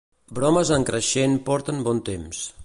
Bromes en creixent porten bon temps.